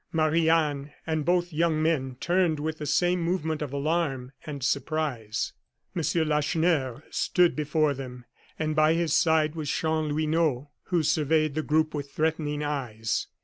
Marie Anne and both young men turned with the same movement of alarm and surprise. M. Lacheneur stood before them, and by his side was Chanlouineau, who surveyed the group with threatening eyes.